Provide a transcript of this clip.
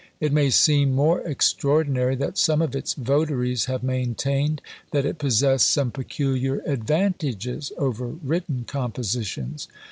It may seem more extraordinary that some of its votaries have maintained that it possessed some peculiar advantages over written compositions.